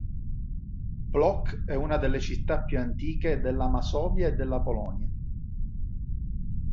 Płock è una delle città più antiche della Masovia e della Polonia.